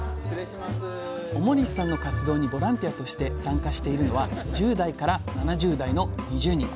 表西さんの活動にボランティアとして参加しているのは１０代から７０代の２０人。